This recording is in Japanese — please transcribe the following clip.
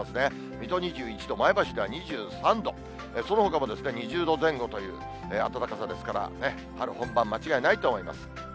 水戸２１度、前橋では２３度、そのほかも２０度前後という暖かさですから、春本番、間違いないと思います。